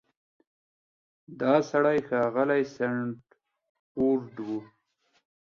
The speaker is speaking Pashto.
دا سړی ښاغلی سنډفورډ و.